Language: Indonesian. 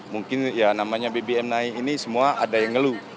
mungkin ya namanya bbm ini semua ada yang ngelu